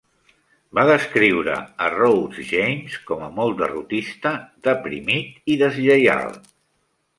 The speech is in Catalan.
Va descriure a Rhodes James com "molt derrotista, deprimit i deslleial".